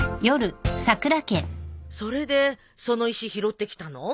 それでその石拾ってきたの？